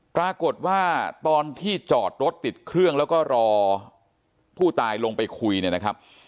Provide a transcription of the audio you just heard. ตอนที่จอดรถติดเครื่องแล้วก็รอผู้ตายลงไปคุยเนี่ยนะครับ